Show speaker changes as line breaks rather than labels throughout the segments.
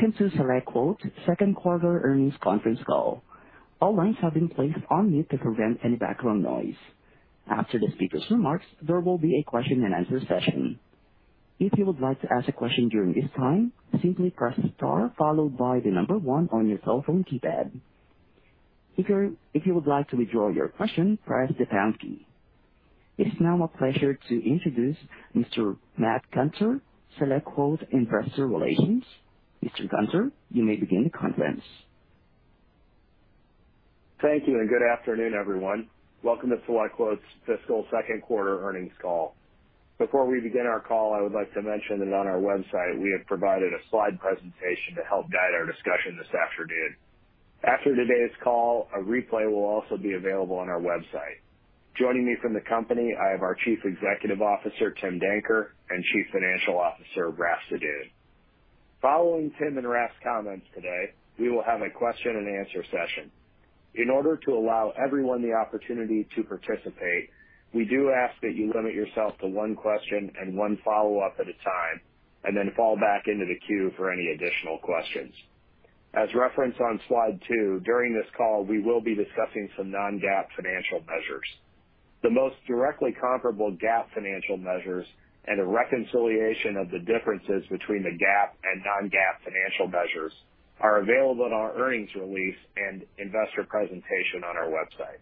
Welcome to SelectQuote second quarter earnings conference call. All lines have been placed on mute to prevent any background noise. After the speaker's remarks, there will be a question and answer session. If you would like to ask a question during this time, simply press star followed by one on your cell phone keypad. If you would like to withdraw your question, press the pound key. It's now my pleasure to introduce Mr. Matt Gunter, SelectQuote Investor Relations. Mr. Gunter, you may begin the conference.
Thank you and good afternoon, everyone. Welcome to SelectQuote's fiscal second quarter earnings call. Before we begin our call, I would like to mention that on our website we have provided a slide presentation to help guide our discussion this afternoon. After today's call, a replay will also be available on our website. Joining me from the company, I have our Chief Executive Officer, Tim Danker, and Chief Financial Officer, Raff Sadun. Following Tim and Raff's comments today, we will have a question and answer session. In order to allow everyone the opportunity to participate, we do ask that you limit yourself to one question and one follow-up at a time, and then fall back into the queue for any additional questions. As referenced on slide two, during this call we will be discussing some non-GAAP financial measures. The most directly comparable GAAP financial measures and a reconciliation of the differences between the GAAP and non-GAAP financial measures are available in our earnings release and investor presentation on our website.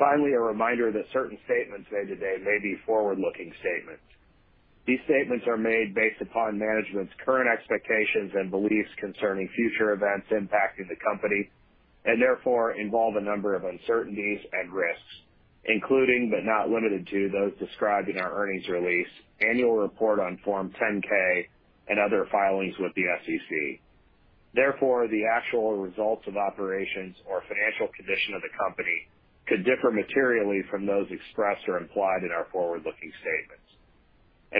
Finally, a reminder that certain statements made today may be forward-looking statements. These statements are made based upon management's current expectations and beliefs concerning future events impacting the company, and therefore involve a number of uncertainties and risks, including, but not limited to, those described in our earnings release, annual report on Form 10-K and other filings with the SEC. Therefore, the actual results of operations or financial condition of the company could differ materially from those expressed or implied in our forward-looking statements.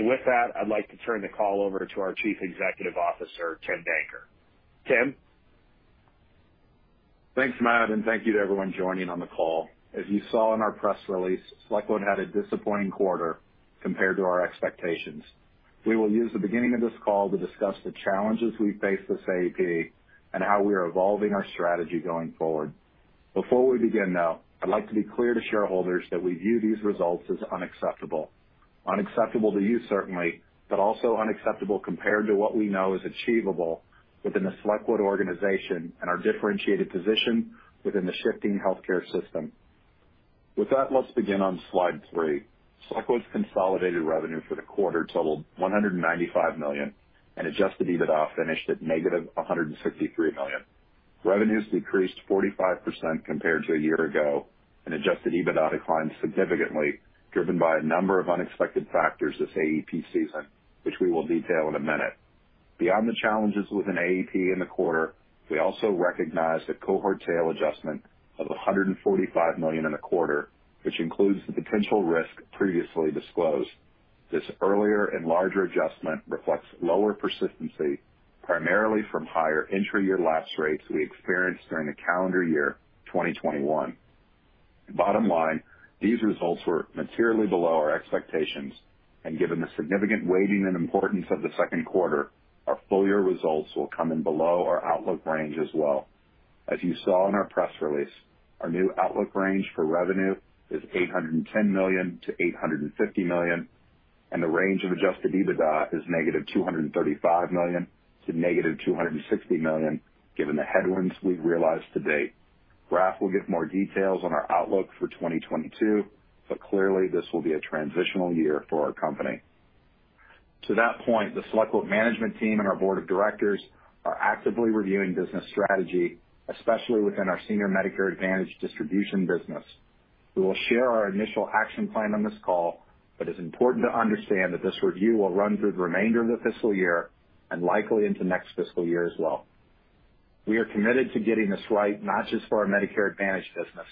With that, I'd like to turn the call over to our Chief Executive Officer, Tim Danker. Tim?
Thanks, Matt, and thank you to everyone joining on the call. As you saw in our press release, SelectQuote had a disappointing quarter compared to our expectations. We will use the beginning of this call to discuss the challenges we faced this AEP and how we are evolving our strategy going forward. Before we begin, though, I'd like to be clear to shareholders that we view these results as unacceptable. Unacceptable to you, certainly, but also unacceptable compared to what we know is achievable within the SelectQuote organization and our differentiated position within the shifting healthcare system. With that, let's begin on slide three. SelectQuote's consolidated revenue for the quarter totaled $195 million, and Adjusted EBITDA finished at -$163 million. Revenues decreased 45% compared to a year ago, and Adjusted EBITDA declined significantly, driven by a number of unexpected factors this AEP season, which we will detail in a minute. Beyond the challenges within AEP in the quarter, we also recognized a cohort sale adjustment of $145 million in the quarter, which includes the potential risk previously disclosed. This earlier and larger adjustment reflects lower persistency, primarily from higher intra-year lapse rates we experienced during the calendar year 2021. Bottom line, these results were materially below our expectations, and given the significant weighting and importance of the second quarter, our full year results will come in below our outlook range as well. As you saw in our press release, our new outlook range for revenue is $810 million-$850 million, and the range of Adjusted EBITDA is -$235 million to -$260 million, given the headwinds we've realized to date. Raf will give more details on our outlook for 2022, but clearly this will be a transitional year for our company. To that point, the SelectQuote management team and our board of directors are actively reviewing business strategy, especially within our senior Medicare Advantage distribution business. We will share our initial action plan on this call, but it's important to understand that this review will run through the remainder of the fiscal year and likely into next fiscal year as well. We are committed to getting this right, not just for our Medicare Advantage business,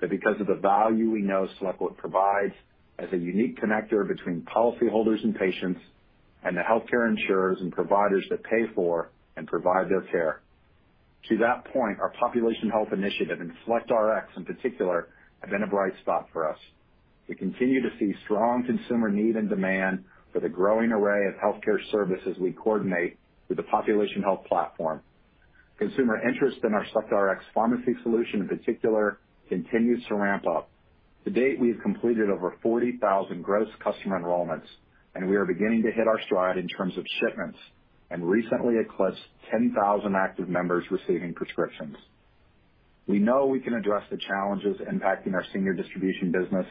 but because of the value we know SelectQuote provides as a unique connector between policyholders and patients, and the healthcare insurers and providers that pay for and provide their care. To that point, our population health initiative and SelectRx in particular, have been a bright spot for us. We continue to see strong consumer need and demand for the growing array of healthcare services we coordinate with the population health platform. Consumer interest in our SelectRx pharmacy solution in particular, continues to ramp up. To date, we have completed over 40,000 gross customer enrollments, and we are beginning to hit our stride in terms of shipments. Recently, it eclipsed 10,000 active members receiving prescriptions. We know we can address the challenges impacting our senior distribution business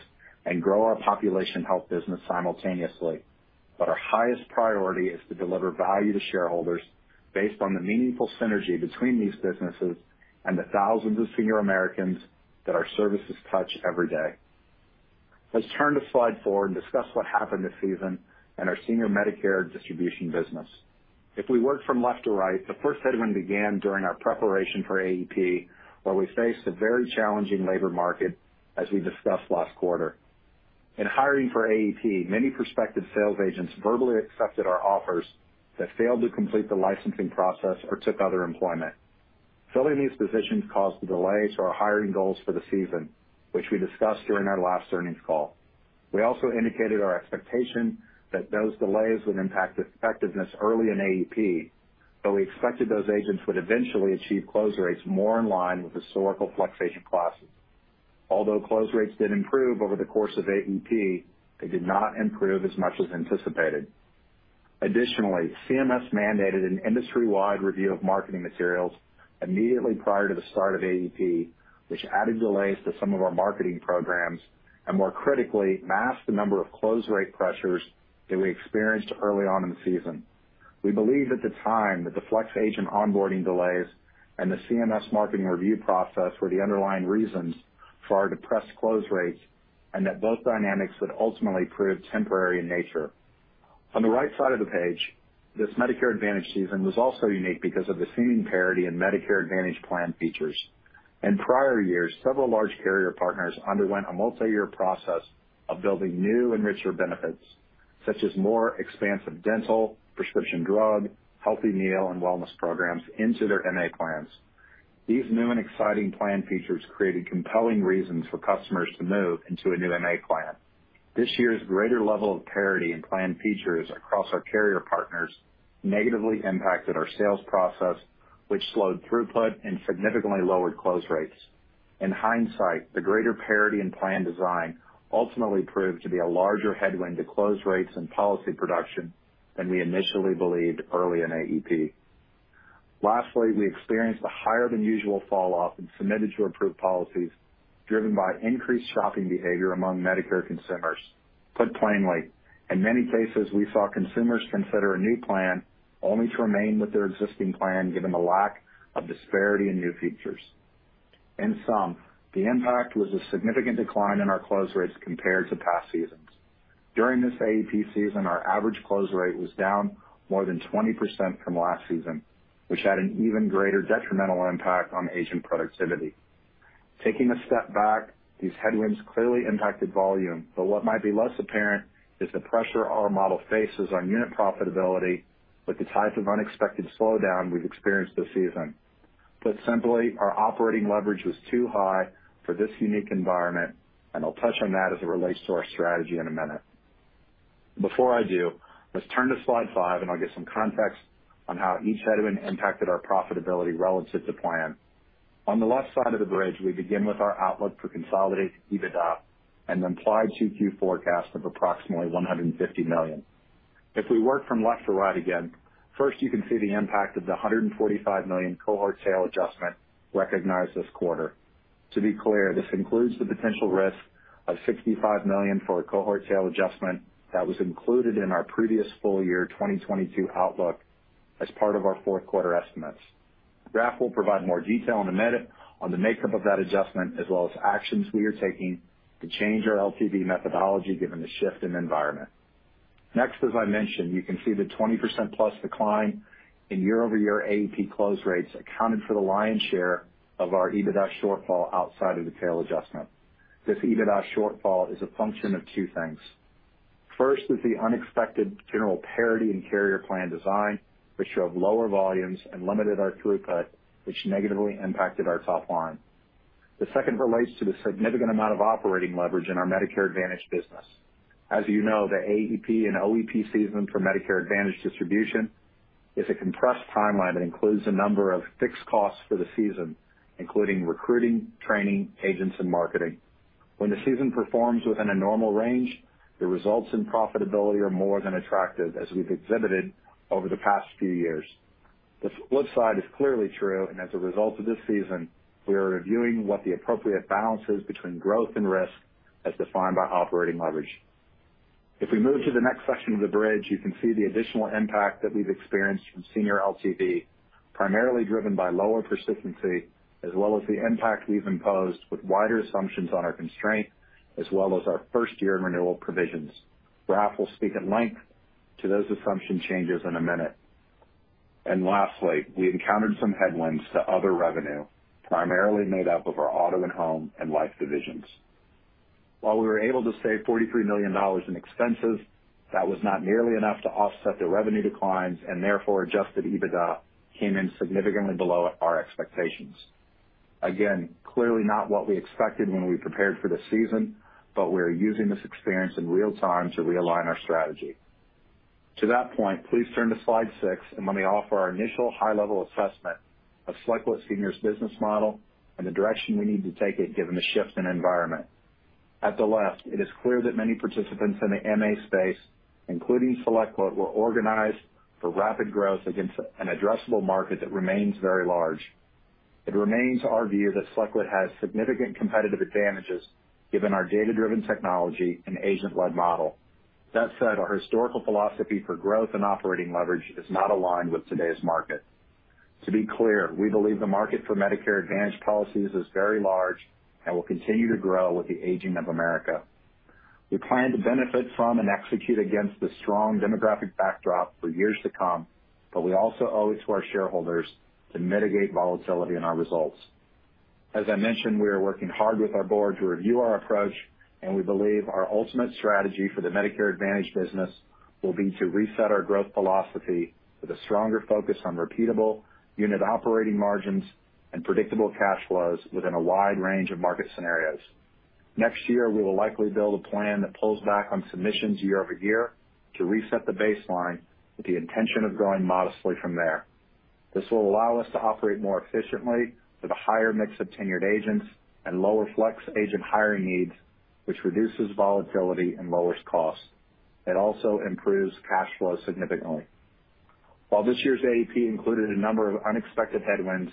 and grow our population health business simultaneously. Our highest priority is to deliver value to shareholders based on the meaningful synergy between these businesses and the thousands of senior Americans that our services touch every day. Let's turn to slide four and discuss what happened this season in our senior Medicare distribution business. If we work from left to right, the first headwind began during our preparation for AEP, where we faced a very challenging labor market, as we discussed last quarter. In hiring for AEP, many prospective sales agents verbally accepted our offers but failed to complete the licensing process or took other employment. Filling these positions caused the delays to our hiring goals for the season, which we discussed during our last earnings call. We also indicated our expectation that those delays would impact effectiveness early in AEP, though we expected those agents would eventually achieve close rates more in line with historical FlexAgent classes. Although close rates did improve over the course of AEP, they did not improve as much as anticipated. Additionally, CMS mandated an industry-wide review of marketing materials immediately prior to the start of AEP, which added delays to some of our marketing programs and more critically, masked the number of close rate pressures that we experienced early on in the season. We believed at the time that the FlexAgent onboarding delays and the CMS marketing review process were the underlying reasons for our depressed close rates, and that both dynamics would ultimately prove temporary in nature. On the right side of the page, this Medicare Advantage season was also unique because of the seeming parity in Medicare Advantage plan features. In prior years, several large carrier partners underwent a multi-year process of building new and richer benefits, such as more expansive dental, prescription drug, healthy meal, and wellness programs into their MA plans. These new and exciting plan features created compelling reasons for customers to move into a new MA plan. This year's greater level of parity and plan features across our carrier partners negatively impacted our sales process, which slowed throughput and significantly lowered close rates. In hindsight, the greater parity in plan design ultimately proved to be a larger headwind to close rates and policy production than we initially believed early in AEP. Lastly, we experienced a higher than usual fall off in submitted to approved policies driven by increased shopping behavior among Medicare consumers. Put plainly, in many cases, we saw consumers consider a new plan only to remain with their existing plan, given the lack of disparity in new features. In sum, the impact was a significant decline in our close rates compared to past seasons. During this AEP season, our average close rate was down more than 20% from last season, which had an even greater detrimental impact on agent productivity. Taking a step back, these headwinds clearly impacted volume, but what might be less apparent is the pressure our model faces on unit profitability with the type of unexpected slowdown we've experienced this season. Put simply, our operating leverage was too high for this unique environment, and I'll touch on that as it relates to our strategy in a minute. Before I do, let's turn to slide five, and I'll give some context on how each headwind impacted our profitability relative to plan. On the left side of the bridge, we begin with our outlook for consolidated EBITDA and the implied 2Q forecast of approximately $150 million. If we work from left to right again, first you can see the impact of the $145 million cohort sale adjustment recognized this quarter. To be clear, this includes the potential risk of $65 million for a cohort sale adjustment that was included in our previous full year 2022 outlook as part of our fourth quarter estimates. Raf will provide more detail in a minute on the makeup of that adjustment, as well as actions we are taking to change our LTV methodology given the shift in environment. Next, as I mentioned, you can see the 20%+ decline in year-over-year AEP close rates accounted for the lion's share of our EBITDA shortfall outside of the tail adjustment. This EBITDA shortfall is a function of two things. First is the unexpected general parity in carrier plan design, which drove lower volumes and limited our throughput, which negatively impacted our top line. The second relates to the significant amount of operating leverage in our Medicare Advantage business. As you know, the AEP and OEP season for Medicare Advantage distribution is a compressed timeline that includes a number of fixed costs for the season, including recruiting, training, agents and marketing. When the season performs within a normal range, the results in profitability are more than attractive, as we've exhibited over the past few years. The flip side is clearly true, and as a result of this season, we are reviewing what the appropriate balance is between growth and risk as defined by operating leverage. If we move to the next section of the bridge, you can see the additional impact that we've experienced from senior LTV, primarily driven by lower persistency, as well as the impact we've imposed with wider assumptions on our constraint, as well as our first year in renewal provisions. Raf will speak at length to those assumption changes in a minute. Lastly, we encountered some headwinds to other revenue, primarily made up of our auto and home and life divisions. While we were able to save $43 million in expenses, that was not nearly enough to offset the revenue declines and therefore Adjusted EBITDA came in significantly below our expectations. Again, clearly not what we expected when we prepared for this season, but we are using this experience in real time to realign our strategy. To that point, please turn to slide six and let me offer our initial high-level assessment of SelectQuote Seniors' business model and the direction we need to take it given the shift in environment. At the left, it is clear that many participants in the MA space, including SelectQuote, were organized for rapid growth against an addressable market that remains very large. It remains our view that SelectQuote has significant competitive advantages given our data-driven technology and agent-led model. That said, our historical philosophy for growth and operating leverage is not aligned with today's market. To be clear, we believe the market for Medicare Advantage policies is very large and will continue to grow with the aging of America. We plan to benefit from and execute against the strong demographic backdrop for years to come, but we also owe it to our shareholders to mitigate volatility in our results. As I mentioned, we are working hard with our board to review our approach, and we believe our ultimate strategy for the Medicare Advantage business will be to reset our growth philosophy with a stronger focus on repeatable unit operating margins and predictable cash flows within a wide range of market scenarios. Next year, we will likely build a plan that pulls back on submissions year-over-year to reset the baseline with the intention of growing modestly from there. This will allow us to operate more efficiently with a higher mix of tenured agents and lower Flex Agent hiring needs, which reduces volatility and lowers costs. It also improves cash flow significantly. While this year's AEP included a number of unexpected headwinds,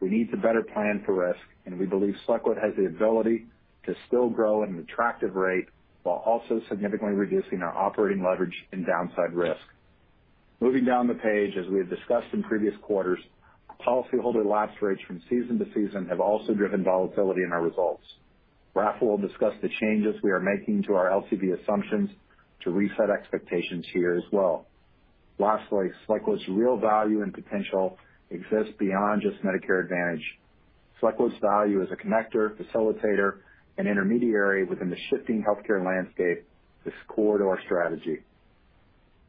we need to better plan for risk, and we believe SelectQuote has the ability to still grow an attractive rate while also significantly reducing our operating leverage and downside risk. Moving down the page, as we have discussed in previous quarters, policyholder lapse rates from season to season have also driven volatility in our results. Raf will discuss the changes we are making to our LTV assumptions to reset expectations here as well. Lastly, SelectQuote's real value and potential exists beyond just Medicare Advantage. SelectQuote's value as a connector, facilitator, and intermediary within the shifting healthcare landscape is core to our strategy.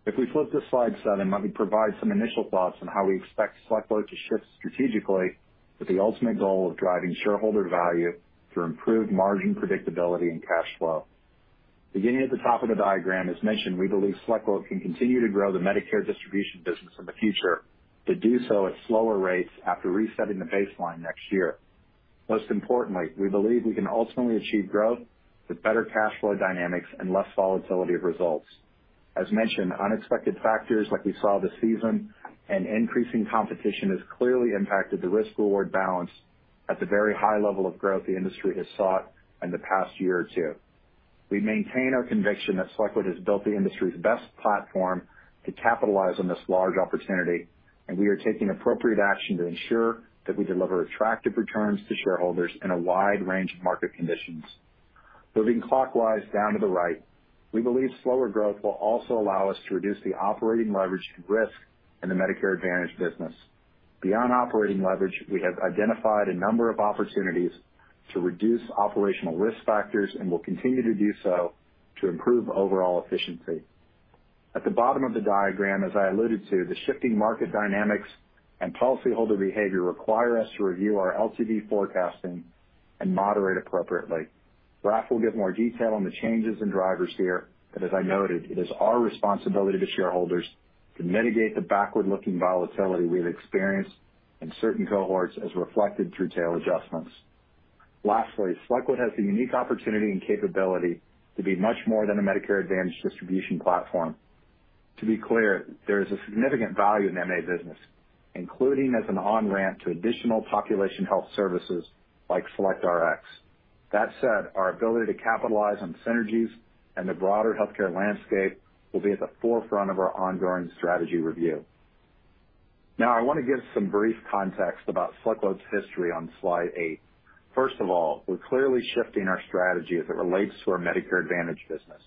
If we flip to slide seven, let me provide some initial thoughts on how we expect SelectQuote to shift strategically with the ultimate goal of driving shareholder value through improved margin predictability and cash flow. Beginning at the top of the diagram, as mentioned, we believe SelectQuote can continue to grow the Medicare distribution business in the future, but do so at slower rates after resetting the baseline next year. Most importantly, we believe we can ultimately achieve growth with better cash flow dynamics and less volatility of results. As mentioned, unexpected factors like we saw this season and increasing competition has clearly impacted the risk/reward balance at the very high level of growth the industry has sought in the past year or two. We maintain our conviction that SelectQuote has built the industry's best platform to capitalize on this large opportunity, and we are taking appropriate action to ensure that we deliver attractive returns to shareholders in a wide range of market conditions. Moving clockwise down to the right, we believe slower growth will also allow us to reduce the operating leverage to risk in the Medicare Advantage business. Beyond operating leverage, we have identified a number of opportunities to reduce operational risk factors and will continue to do so to improve overall efficiency. At the bottom of the diagram, as I alluded to, the shifting market dynamics and policyholder behavior require us to review our LTV forecasting and moderate appropriately. Raf will give more detail on the changes and drivers here, but as I noted, it is our responsibility to shareholders to mitigate the backward-looking volatility we have experienced in certain cohorts as reflected through tail adjustments. Lastly, SelectQuote has the unique opportunity and capability to be much more than a Medicare Advantage distribution platform. To be clear, there is a significant value in the MA business, including as an on-ramp to additional population health services like SelectRx. That said, our ability to capitalize on synergies and the broader healthcare landscape will be at the forefront of our ongoing strategy review. Now, I want to give some brief context about SelectQuote's history on slide eight. First of all, we're clearly shifting our strategy as it relates to our Medicare Advantage business.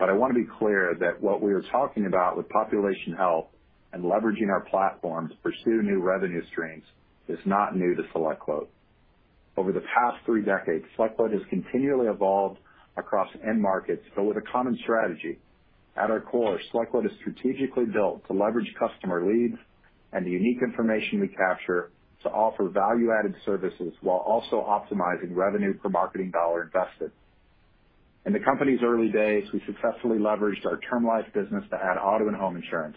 I want to be clear that what we are talking about with population health and leveraging our platform to pursue new revenue streams is not new to SelectQuote. Over the past three decades, SelectQuote has continually evolved across end markets, but with a common strategy. At our core, SelectQuote is strategically built to leverage customer leads and the unique information we capture to offer value-added services while also optimizing revenue per marketing dollar invested. In the company's early days, we successfully leveraged our term life business to add auto and home insurance.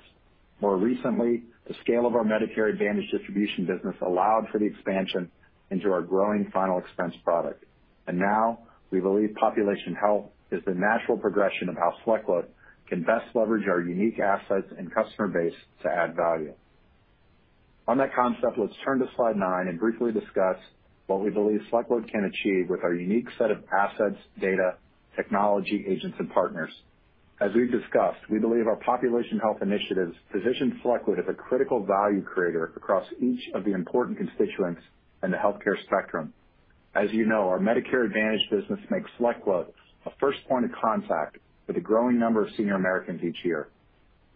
More recently, the scale of our Medicare Advantage distribution business allowed for the expansion into our growing final expense product. Now we believe population health is the natural progression of how SelectQuote can best leverage our unique assets and customer base to add value. On that concept, let's turn to slide nine and briefly discuss what we believe SelectQuote can achieve with our unique set of assets, data, technology, agents, and partners. As we've discussed, we believe our population health initiatives position SelectQuote as a critical value creator across each of the important constituents in the healthcare spectrum. As you know, our Medicare Advantage business makes SelectQuote a first point of contact with a growing number of senior Americans each year.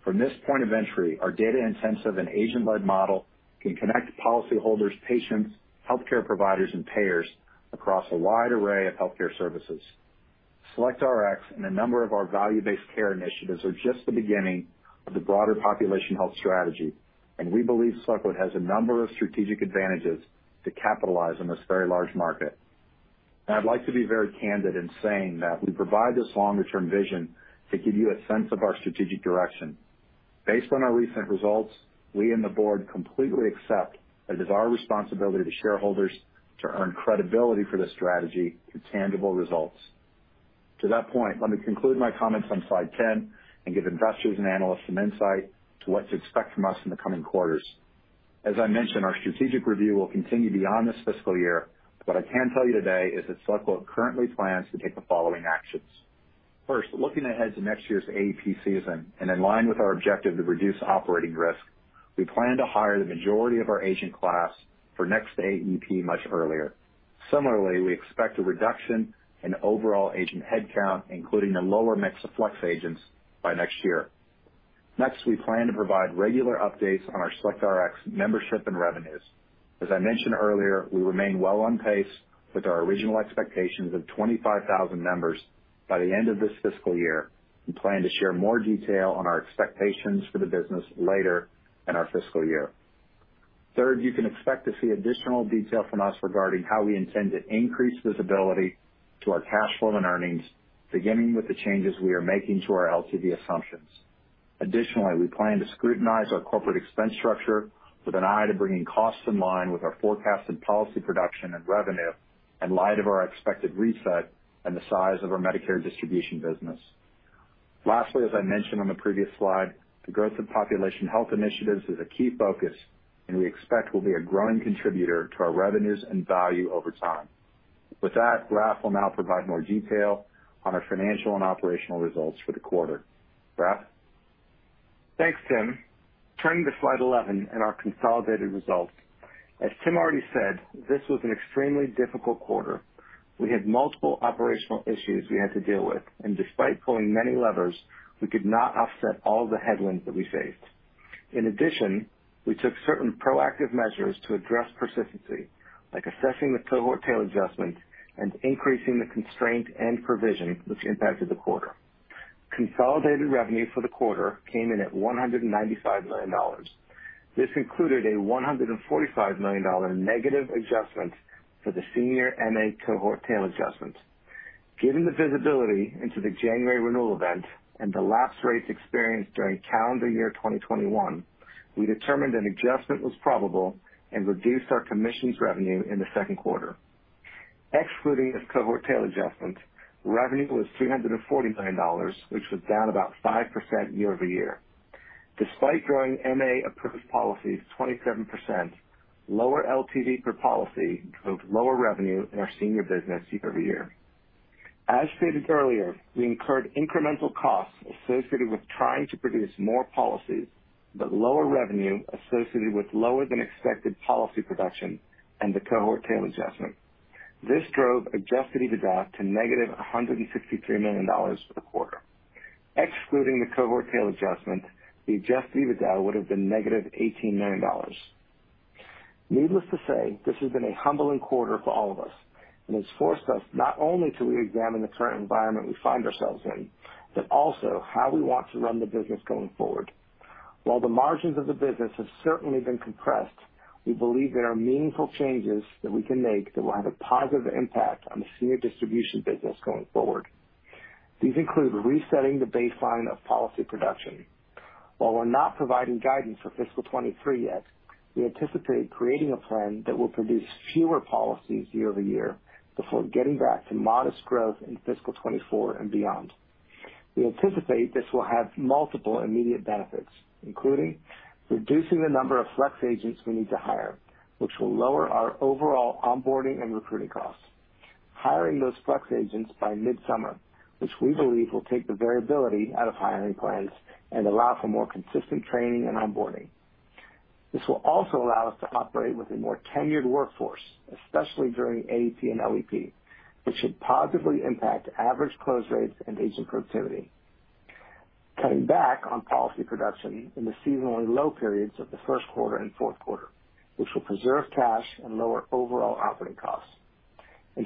From this point of entry, our data-intensive and agent-led model can connect policyholders, patients, healthcare providers, and payers across a wide array of healthcare services. SelectRx and a number of our value-based care initiatives are just the beginning of the broader population health strategy, and we believe SelectQuote has a number of strategic advantages to capitalize on this very large market. I'd like to be very candid in saying that we provide this longer-term vision to give you a sense of our strategic direction. Based on our recent results, we and the board completely accept that it is our responsibility to shareholders to earn credibility for this strategy through tangible results. To that point, let me conclude my comments on slide 10 and give investors and analysts some insight to what to expect from us in the coming quarters. As I mentioned, our strategic review will continue beyond this fiscal year, but what I can tell you today is that SelectQuote currently plans to take the following actions. First, looking ahead to next year's AEP season and in line with our objective to reduce operating risk, we plan to hire the majority of our agent class for next AEP much earlier. Similarly, we expect a reduction in overall agent headcount, including a lower mix of Flex agents by next year. Next, we plan to provide regular updates on our SelectRx membership and revenues. As I mentioned earlier, we remain well on pace with our original expectations of 25,000 members by the end of this fiscal year. We plan to share more detail on our expectations for the business later in our fiscal year. Third, you can expect to see additional detail from us regarding how we intend to increase visibility to our cash flow and earnings, beginning with the changes we are making to our LTV assumptions. Additionally, we plan to scrutinize our corporate expense structure with an eye to bringing costs in line with our forecasted policy production and revenue in light of our expected reset and the size of our Medicare distribution business. Lastly, as I mentioned on the previous slide, the growth of population health initiatives is a key focus, and we expect it will be a growing contributor to our revenues and value over time. With that, Raff will now provide more detail on our financial and operational results for the quarter. Raff?
Thanks, Tim. Turning to slide 11 and our consolidated results. As Tim already said, this was an extremely difficult quarter. We had multiple operational issues we had to deal with, and despite pulling many levers, we could not offset all the headwinds that we faced. In addition, we took certain proactive measures to address persistency, like assessing the cohort tail adjustment and increasing the constraint and provision, which impacted the quarter. Consolidated revenue for the quarter came in at $195 million. This included a $145 million negative adjustment for the senior MA cohort tail adjustment. Given the visibility into the January renewal event and the lapse rates experienced during calendar year 2021, we determined an adjustment was probable and reduced our commissions revenue in the second quarter. Excluding this cohort tail adjustment, revenue was $340 million, which was down about 5% year-over-year. Despite growing MA approved policies 27%, lower LTV per policy drove lower revenue in our senior business year-over-year. As stated earlier, we incurred incremental costs associated with trying to produce more policies, but lower revenue associated with lower than expected policy production and the cohort tail adjustment. This drove Adjusted EBITDA to -$163 million for the quarter. Excluding the cohort tail adjustment, the Adjusted EBITDA would have been -$18 million. Needless to say, this has been a humbling quarter for all of us, and it's forced us not only to reexamine the current environment we find ourselves in, but also how we want to run the business going forward. While the margins of the business have certainly been compressed, we believe there are meaningful changes that we can make that will have a positive impact on the senior distribution business going forward. These include resetting the baseline of policy production. While we're not providing guidance for fiscal 2023 yet, we anticipate creating a plan that will produce fewer policies year-over-year before getting back to modest growth in fiscal 2024 and beyond. We anticipate this will have multiple immediate benefits, including reducing the number of Flex agents we need to hire, which will lower our overall onboarding and recruiting costs, hiring those Flex agents by mid-summer, which we believe will take the variability out of hiring plans and allow for more consistent training and onboarding. This will also allow us to operate with a more tenured workforce, especially during AEP and OEP, which should positively impact average close rates and agent productivity, cutting back on policy production in the seasonally low periods of the first quarter and fourth quarter, which will preserve cash and lower overall operating costs.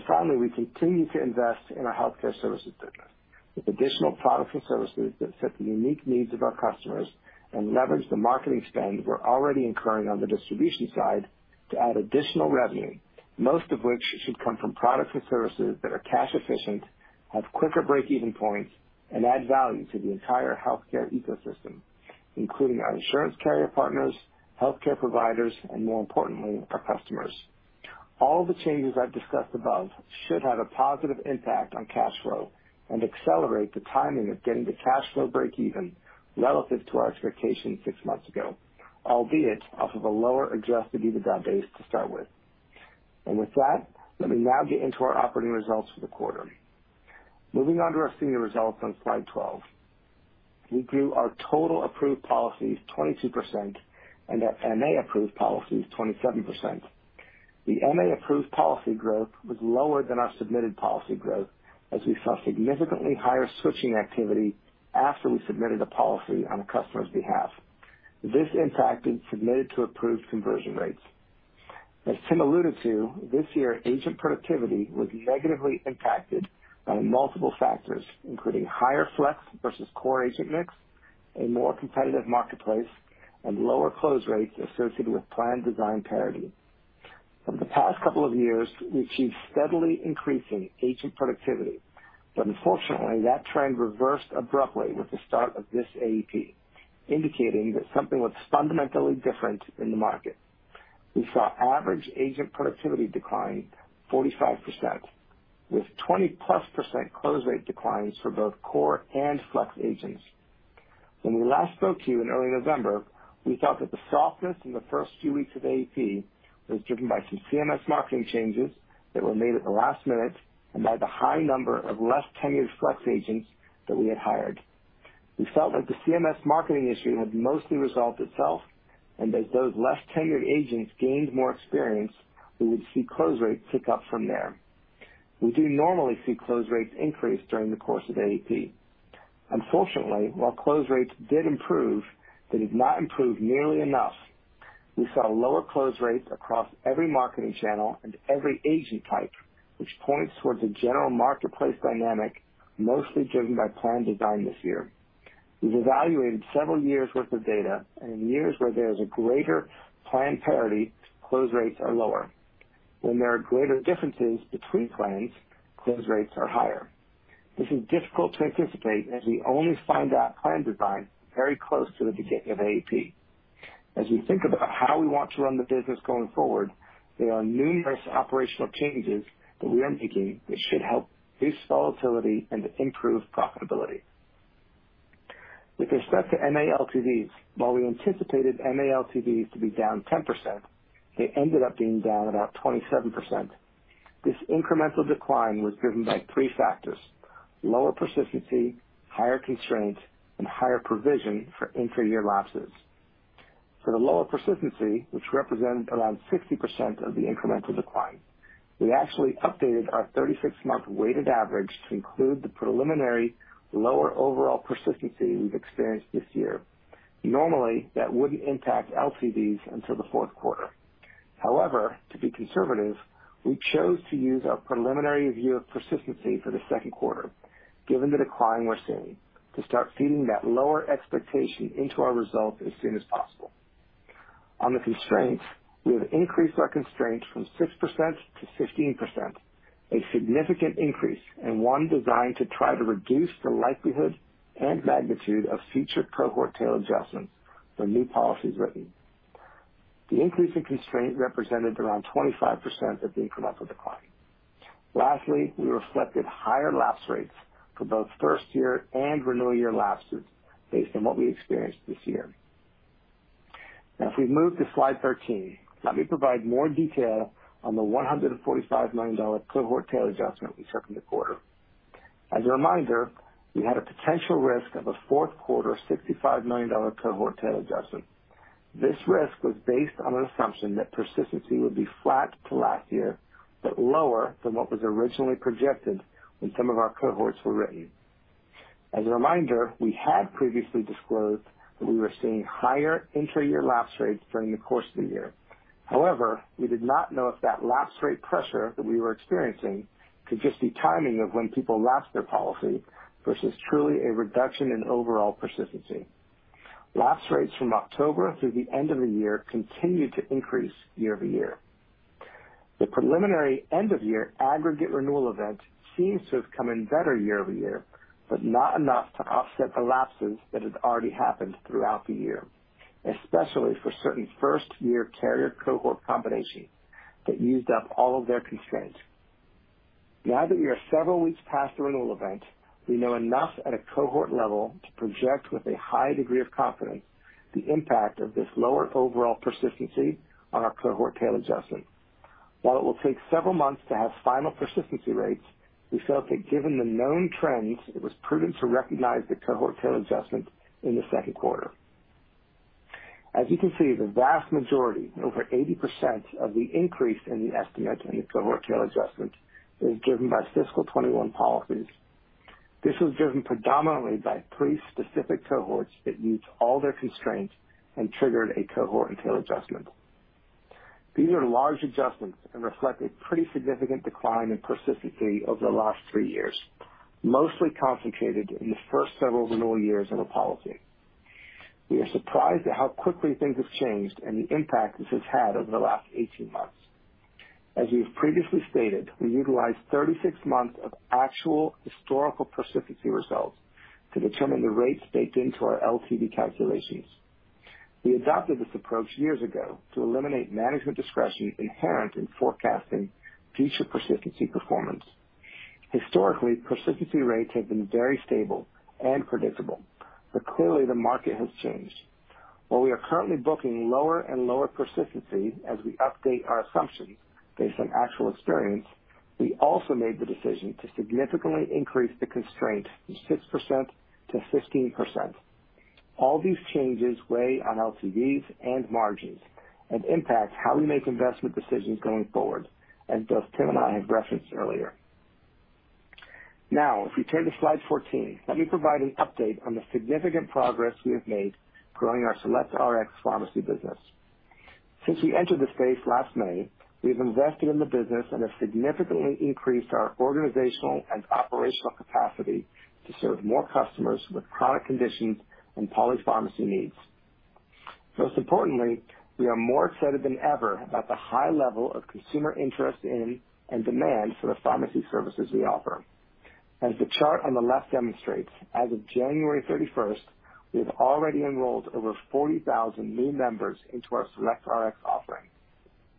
Finally, we continue to invest in our healthcare services business with additional products and services that fit the unique needs of our customers and leverage the marketing spend we're already incurring on the distribution side to add additional revenue, most of which should come from products and services that are cash efficient, have quicker break-even points, and add value to the entire healthcare ecosystem, including our insurance carrier partners, healthcare providers, and more importantly, our customers. All the changes I've discussed above should have a positive impact on cash flow and accelerate the timing of getting to cash flow breakeven relative to our expectations six months ago, albeit off of a lower adjusted EBITDA base to start with. With that, let me now get into our operating results for the quarter. Moving on to our senior results on slide 12. We grew our total approved policies 22% and our MA approved policies 27%. The MA approved policy growth was lower than our submitted policy growth as we saw significantly higher switching activity after we submitted a policy on the customer's behalf. This impacted submitted to approved conversion rates. As Tim alluded to this year, agent productivity was negatively impacted by multiple factors, including higher flex versus core agent mix, a more competitive marketplace, and lower close rates associated with plan design parity. From the past couple of years, we achieved steadily increasing agent productivity, but unfortunately, that trend reversed abruptly with the start of this AEP, indicating that something was fundamentally different in the market. We saw average agent productivity decline 45%, with 20%+ close rate declines for both core and Flex agents. When we last spoke to you in early November, we thought that the softness in the first few weeks of AEP was driven by some CMS marketing changes that were made at the last minute and by the high number of less tenured Flex agents that we had hired. We felt like the CMS marketing issue had mostly resolved itself, and as those less tenured agents gained more experience, we would see close rates pick up from there. We do normally see close rates increase during the course of AEP. Unfortunately, while close rates did improve, they did not improve nearly enough. We saw lower close rates across every marketing channel and every agent type, which points towards a general marketplace dynamic, mostly driven by plan design this year. We've evaluated several years' worth of data, and in years where there's a greater plan parity, close rates are lower. When there are greater differences between plans, close rates are higher. This is difficult to anticipate, as we only find out plan design very close to the beginning of AEP. As we think about how we want to run the business going forward, there are numerous operational changes that we are making that should help reduce volatility and improve profitability. With respect to MA LTVs, while we anticipated MA LTVs to be down 10%, they ended up being down about 27%. This incremental decline was driven by three factors. Lower persistency, higher constraint, and higher provision for intra-year lapses. For the lower persistency, which represented around 60% of the incremental decline, we actually updated our 36-month weighted average to include the preliminary lower overall persistency we've experienced this year. Normally, that wouldn't impact LTVs until the fourth quarter. However, to be conservative, we chose to use our preliminary view of persistency for the second quarter, given the decline we're seeing, to start feeding that lower expectation into our results as soon as possible. On the constraints, we have increased our constraints from 6%-15%, a significant increase and one designed to try to reduce the likelihood and magnitude of future cohort tail adjustments for new policies written. The increase in constraint represented around 25% of the incremental decline. Lastly, we reflected higher lapse rates for both first year and renewal year lapses based on what we experienced this year. Now, if we move to slide 13, let me provide more detail on the $145 million cohort tail adjustment we took in the quarter. As a reminder, we had a potential risk of a fourth quarter $65 million cohort tail adjustment. This risk was based on an assumption that persistency would be flat to last year, but lower than what was originally projected when some of our cohorts were written. As a reminder, we had previously disclosed that we were seeing higher intra-year lapse rates during the course of the year. However, we did not know if that lapse rate pressure that we were experiencing could just be timing of when people lapse their policy versus truly a reduction in overall persistency. Lapse rates from October through the end of the year continued to increase year-over-year. The preliminary end of year aggregate renewal event seems to have come in better year-over-year, but not enough to offset the lapses that had already happened throughout the year, especially for certain first year carrier cohort combinations that used up all of their constraints. Now that we are several weeks past the renewal event, we know enough at a cohort level to project with a high degree of confidence the impact of this lower overall persistency on our cohort tail adjustment. While it will take several months to have final persistency rates, we felt that given the known trends, it was prudent to recognize the cohort tail adjustment in the second quarter. As you can see, the vast majority, over 80%, of the increase in the estimate in the cohort tail adjustment is driven by fiscal 2021 policies. This was driven predominantly by three specific cohorts that used all their constraints and triggered a cohort and tail adjustment. These are large adjustments and reflect a pretty significant decline in persistency over the last three years, mostly concentrated in the first several renewal years of a policy. We are surprised at how quickly things have changed and the impact this has had over the last 18 months. As we've previously stated, we utilized 36 months of actual historical persistency results to determine the rates baked into our LTV calculations. We adopted this approach years ago to eliminate management discretion inherent in forecasting future persistency performance. Historically, persistency rates have been very stable and predictable, but clearly the market has changed. While we are currently booking lower and lower persistency as we update our assumptions based on actual experience, we also made the decision to significantly increase the constraint from 6% to 15%. All these changes weigh on LTVs and margins and impact how we make investment decisions going forward, as both Tim and I have referenced earlier. Now, if we turn to slide 14, let me provide an update on the significant progress we have made growing our SelectRx pharmacy business. Since we entered the space last May, we have invested in the business and have significantly increased our organizational and operational capacity to serve more customers with chronic conditions and polypharmacy needs. Most importantly, we are more excited than ever about the high level of consumer interest in and demand for the pharmacy services we offer. As the chart on the left demonstrates, as of January 31st, we have already enrolled over 40,000 new members into our SelectRx offering.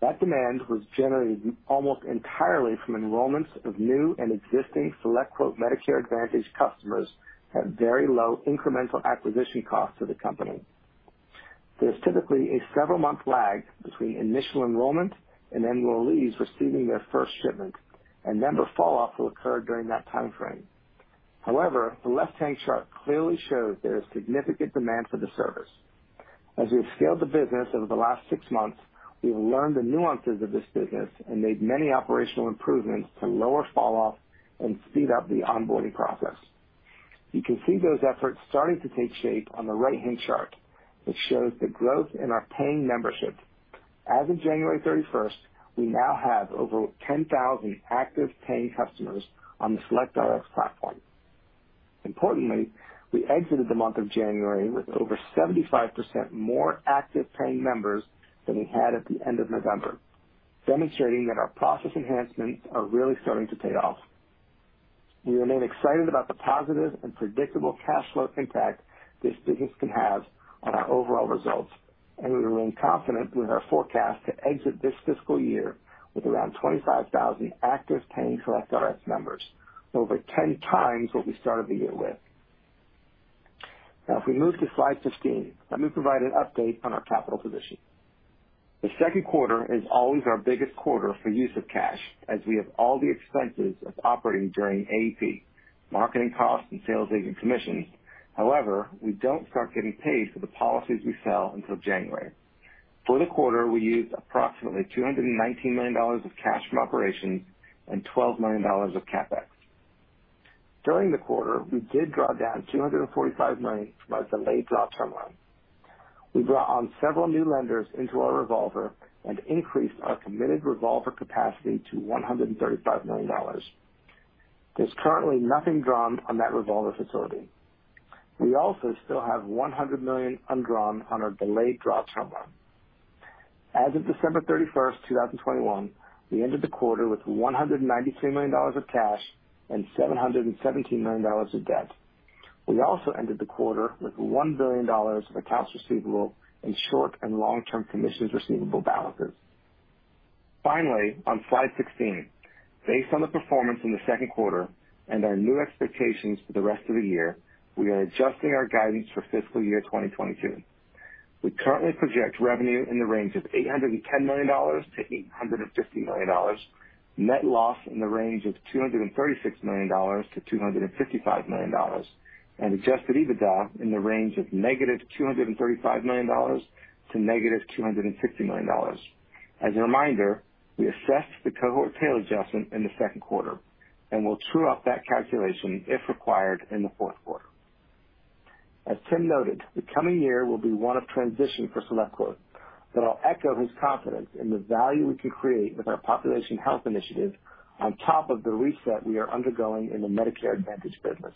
That demand was generated almost entirely from enrollments of new and existing SelectQuote Medicare Advantage customers at very low incremental acquisition cost to the company. There's typically a several-month lag between initial enrollment and enrollees receiving their first shipment, and member falloff will occur during that time frame. However, the left-hand chart clearly shows there is significant demand for the service. As we've scaled the business over the last six months, we've learned the nuances of this business and made many operational improvements to lower falloff and speed up the onboarding process. You can see those efforts starting to take shape on the right-hand chart, which shows the growth in our paying membership. As of January 31st, we now have over 10,000 active paying customers on the SelectRx platform. Importantly, we exited the month of January with over 75% more active paying members than we had at the end of November, demonstrating that our process enhancements are really starting to pay off. We remain excited about the positive and predictable cash flow impact this business can have on our overall results, and we remain confident with our forecast to exit this fiscal year with around 25,000 active paying SelectRx members, over 10x what we started the year with. Now if we move to slide 15, let me provide an update on our capital position. The second quarter is always our biggest quarter for use of cash, as we have all the expenses of operating during AEP, marketing costs, and sales agent commissions. However, we don't start getting paid for the policies we sell until January. For the quarter, we used approximately $219 million of cash from operations and $12 million of CapEx. During the quarter, we did draw down $245 million from our delayed draw term loan. We brought on several new lenders into our revolver and increased our committed revolver capacity to $135 million. There's currently nothing drawn on that revolver facility. We also still have $100 million undrawn on our delayed draw term loan. As of December 31st, 2021, we ended the quarter with $193 million of cash and $717 million of debt. We also ended the quarter with $1 billion of accounts receivable in short and long-term commissions receivable balances. Finally, on slide 16, based on the performance in the second quarter and our new expectations for the rest of the year, we are adjusting our guidance for fiscal year 2022. We currently project revenue in the range of $810 million-$850 million, net loss in the range of $236 million-$255 million, and Adjusted EBITDA in the range of -$235 million to -$250 million. As a reminder, we assessed the cohort tail adjustment in the second quarter and will true up that calculation if required in the fourth quarter. As Tim noted, the coming year will be one of transition for SelectQuote, but I'll echo his confidence in the value we can create with our population health initiative on top of the reset we are undergoing in the Medicare Advantage business.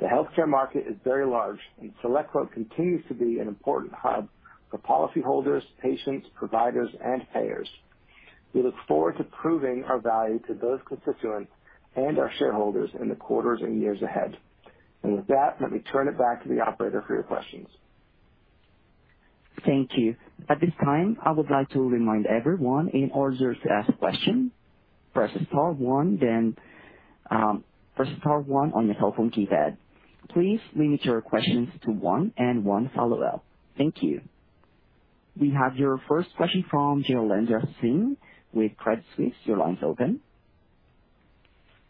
The healthcare market is very large, and SelectQuote continues to be an important hub for policyholders, patients, providers, and payers. We look forward to proving our value to those constituents and our shareholders in the quarters and years ahead. With that, let me turn it back to the operator for your questions.
Thank you. At this time, I would like to remind everyone, in order to ask a question, press star one, then press star one on your telephone keypad. Please limit your questions to one and one follow-up. Thank you. We have your first question from Jailendra Singh with Credit Suisse. Your line's open.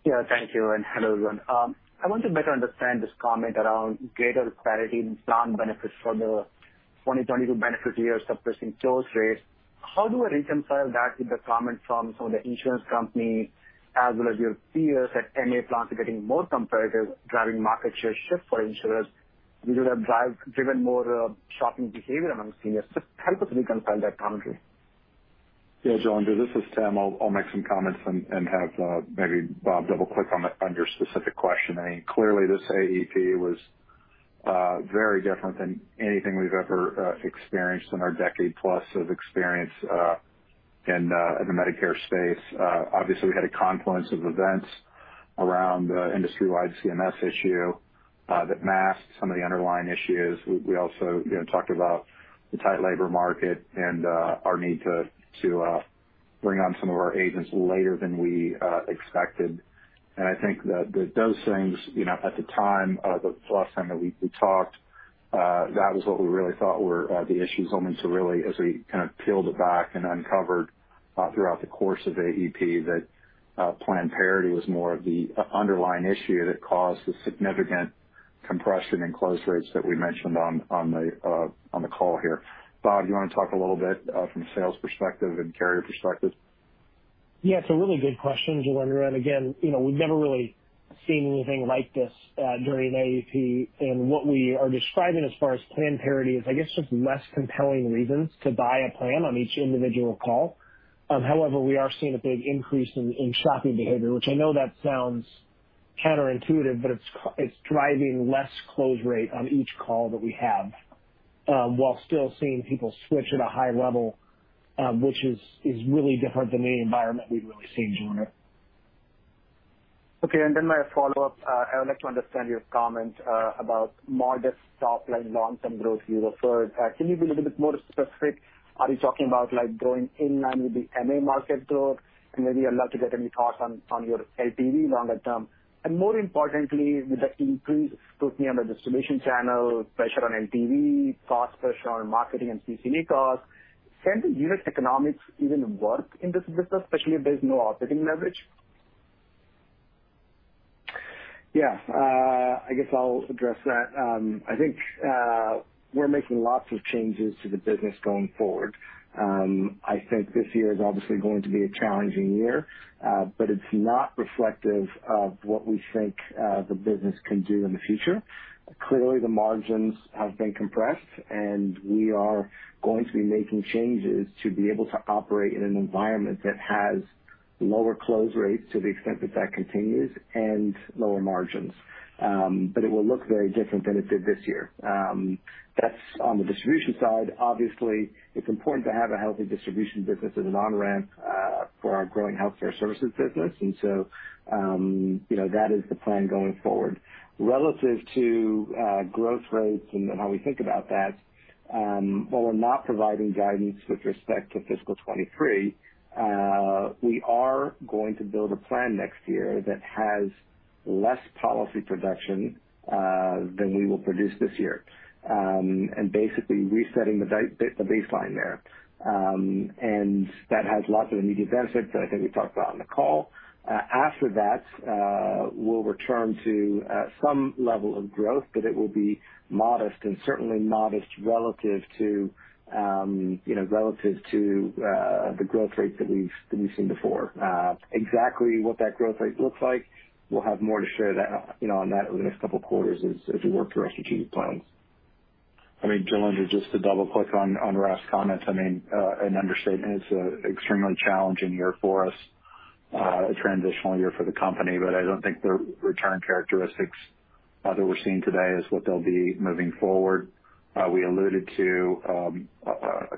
Yeah, thank you, and hello, everyone. I want to better understand this comment around greater parity in plan benefits for the 2022 benefit year suppressing close rates. How do I reconcile that with the comment from some of the insurance companies as well as your peers that MA plans are getting more competitive, driving market share shift for insurers? Will that drive even more, shopping behavior among seniors? Just help us reconcile that commentary.
Yeah, Jailendra, this is Tim. I'll make some comments and have maybe Bob double-click on your specific question. I mean, clearly, this AEP was very different than anything we've ever experienced in our decade plus of experience in the Medicare space. Obviously, we had a confluence of events around the industry-wide CMS issue that masked some of the underlying issues. We also, you know, talked about the tight labor market and our need to bring on some of our agents later than we expected. I think that those things, you know, at the time, the last time that we talked, that was what we really thought were the issues, only to really, as we kind of peeled it back and uncovered throughout the course of AEP, that plan parity was more of the underlying issue that caused the significant compression and close rates that we mentioned on the call here. Bob, you wanna talk a little bit from a sales perspective and carrier perspective?
Yeah, it's a really good question, Jailendra. Again, you know, we've never really seen anything like this during AEP. What we are describing as far as plan parity is, I guess, just less compelling reasons to buy a plan on each individual call. However, we are seeing a big increase in shopping behavior, which I know that sounds counterintuitive, but it's driving less close rate on each call that we have, while still seeing people switch at a high level, which is really different than any environment we've really seen during it.
Okay. My follow-up, I would like to understand your comment about modest top-line long-term growth you referred. Can you be a little bit more specific? Are you talking about, like, growing in line with the MA market growth? Maybe I'd love to get any thoughts on your LTV longer term. More importantly, with the increased scrutiny on the distribution channel, pressure on LTV, cost pressure on marketing and CPA costs, can the unit economics even work in this business, especially if there's no operating leverage?
Yeah, I guess I'll address that. I think we're making lots of changes to the business going forward. I think this year is obviously going to be a challenging year, but it's not reflective of what we think the business can do in the future. Clearly, the margins have been compressed, and we are going to be making changes to be able to operate in an environment that has lower close rates to the extent that that continues and lower margins. It will look very different than it did this year. That's on the distribution side. Obviously, it's important to have a healthy distribution business as an on-ramp for our growing healthcare services business. You know, that is the plan going forward. Relative to growth rates and how we think about that, while we're not providing guidance with respect to fiscal 2023, we are going to build a plan next year that has less policy production than we will produce this year, and basically resetting the baseline there. That has lots of immediate benefits that I think we talked about on the call. After that, we'll return to some level of growth, but it will be modest and certainly modest relative to, you know, the growth rates that we've seen before. Exactly what that growth rate looks like, we'll have more to share, you know, on that over the next couple of quarters as we work through our strategic plans.
I mean, Jailendra, just to double-click on Raf's comments, I mean, an understatement, it's a extremely challenging year for us, a transitional year for the company, but I don't think the return characteristics that we're seeing today is what they'll be moving forward. We alluded to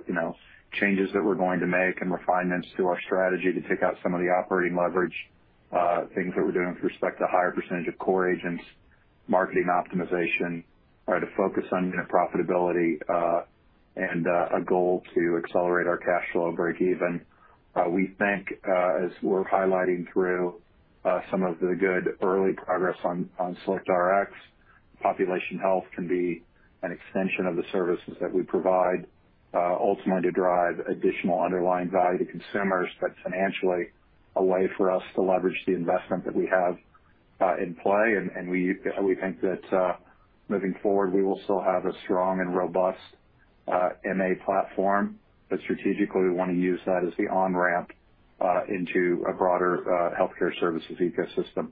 you know changes that we're going to make and refinements to our strategy to take out some of the operating leverage, things that we're doing with respect to higher percentage of core agents, marketing optimization to focus on profitability and a goal to accelerate our cash flow breakeven. We think, as we're highlighting through some of the good early progress on SelectRx, population health can be an extension of the services that we provide, ultimately to drive additional underlying value to consumers. That's financially a way for us to leverage the investment that we have in play, and we think that, moving forward, we will still have a strong and robust MA platform. Strategically, we wanna use that as the on-ramp into a broader healthcare services ecosystem.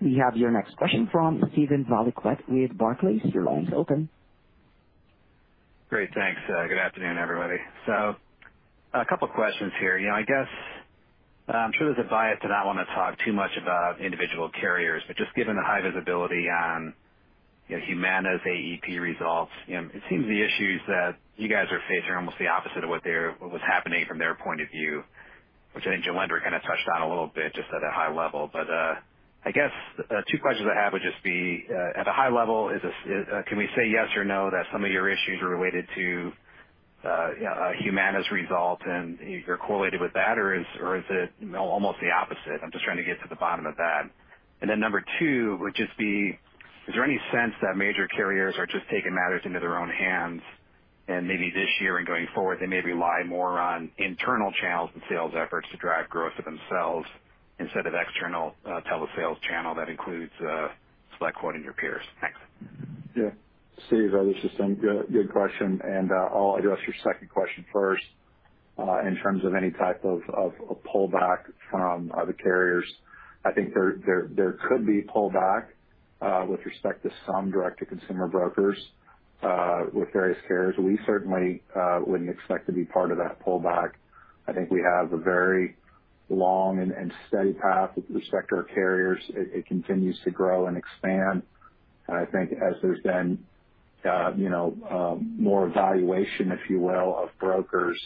We have your next question from Steven Valiquette with Barclays. Your line is open.
Great. Thanks. Good afternoon, everybody. A couple of questions here. You know, I guess, I'm sure there's a bias to not wanna talk too much about individual carriers, but just given the high visibility on, you know, Humana's AEP results, you know, it seems the issues that you guys are facing are almost the opposite of what was happening from their point of view, which I think Jailendra kinda touched on a little bit just at a high level. I guess, two questions I have would just be, at a high level, is this, can we say yes or no that some of your issues are related to, Humana's results, and you're correlated with that? Or is it, you know, almost the opposite? I'm just trying to get to the bottom of that. Number two would just be, is there any sense that major carriers are just taking matters into their own hands? Maybe this year and going forward, they maybe rely more on internal channels and sales efforts to drive growth for themselves instead of external telesales channel that includes SelectQuote and your peers. Thanks.
Yeah. Steve, this is Tim. Good question, and I'll address your second question first. In terms of any type of a pullback from the carriers, I think there could be pullback with respect to some direct-to-consumer brokers with various carriers. We certainly wouldn't expect to be part of that pullback. I think we have a very long and steady path with respect to our carriers. It continues to grow and expand. I think as there's been you know more evaluation, if you will, of brokers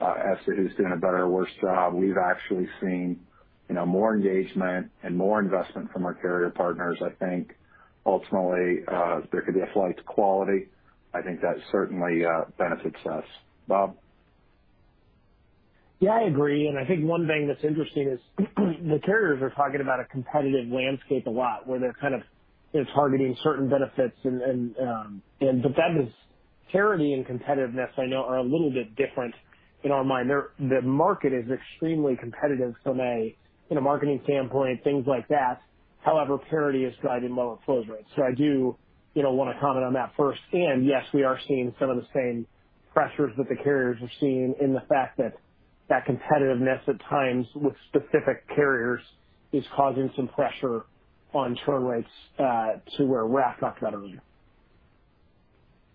as to who's doing a better or worse job, we've actually seen you know more engagement and more investment from our carrier partners. I think ultimately there could be a flight to quality. I think that certainly benefits us. Bob?
Yeah, I agree. I think one thing that's interesting is the carriers are talking about a competitive landscape a lot, where they're kind of targeting certain benefits and parity and competitiveness I know are a little bit different in our mind. The market is extremely competitive from a you know marketing standpoint, things like that. However, parity is driving lower close rates. I do you know wanna comment on that first. Yes, we are seeing some of the same pressures that the carriers are seeing in the fact that competitiveness at times with specific carriers is causing some pressure on churn rates to where Raf talked about earlier.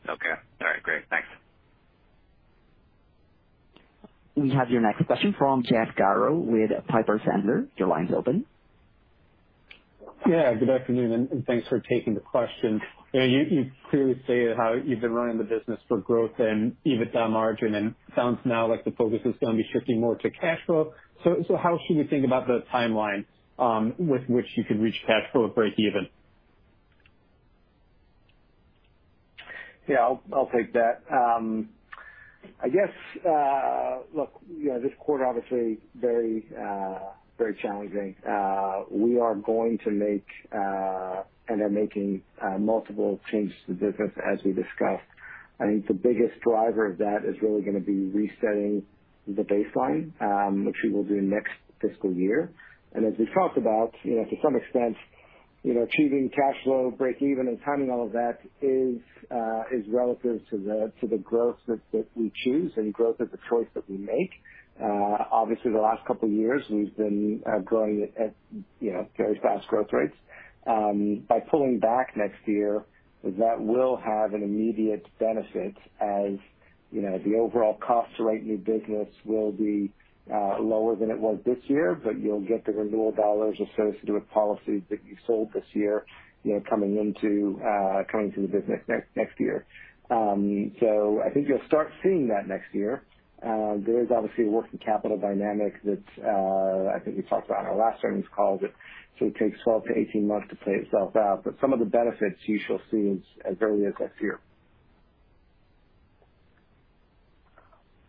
Okay. All right. Great. Thanks.
We have your next question from Jeff Garro with Piper Sandler. Your line is open.
Yeah, good afternoon, and thanks for taking the question. You know, you clearly say how you've been running the business for growth and EBITDA margin, and it sounds now like the focus is gonna be shifting more to cash flow. So how should we think about the timeline with which you could reach cash flow breakeven?
Yeah, I'll take that. I guess, look, you know, this quarter, obviously very challenging. We are going to make and are making multiple changes to the business as we discussed. I think the biggest driver of that is really gonna be resetting the baseline, which we will do next fiscal year. As we talked about, you know, to some extent, you know, achieving cash flow, break even and timing, all of that is relative to the growth that we choose, and growth is a choice that we make. Obviously, the last couple years we've been growing at, you know, very fast growth rates. By pulling back next year, that will have an immediate benefit. As you know, the overall cost to write new business will be lower than it was this year, but you'll get the renewal dollars associated with policies that you sold this year, you know, coming into the business next year. I think you'll start seeing that next year. There is obviously a working capital dynamic that's, I think we talked about on our last earnings call that sort of takes 12-18 months to play itself out. But some of the benefits you shall see as early as this year.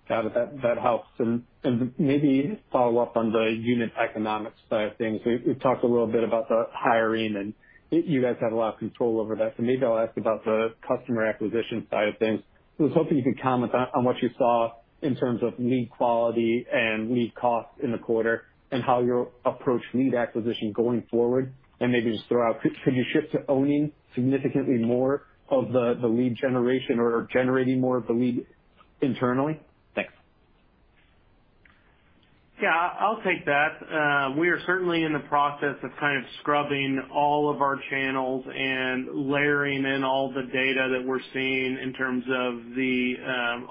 Got it. That helps. Maybe follow up on the unit economics side of things. We've talked a little bit about the hiring and you guys have a lot of control over that, so maybe I'll ask about the customer acquisition side of things. I was hoping you could comment on what you saw in terms of lead quality and lead costs in the quarter and how you'll approach lead acquisition going forward. Maybe just throw out, could you shift to owning significantly more of the lead generation or generating more of the lead internally? Thanks.
Yeah, I'll take that. We are certainly in the process of kind of scrubbing all of our channels and layering in all the data that we're seeing in terms of the